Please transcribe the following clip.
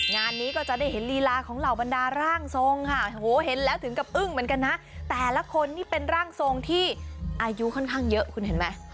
งานนี้ก็จะได้เห็นลีลาของเหล่าบรรดาร่างทรงค่ะโหเห็นแล้วถึงกับอึ้งเหมือนกันนะแต่ละคนนี่เป็นร่างทรงที่อายุค่อนข้างเยอะคุณเห็นไหม